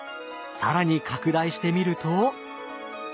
更に拡大してみると。